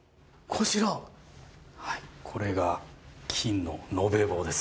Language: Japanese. これが金の延べ棒です。